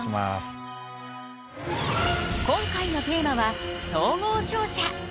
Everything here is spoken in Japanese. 今回のテーマは「総合商社」。